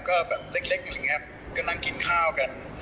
ก็แบบเล็กกันนิ่งกับคอนกัน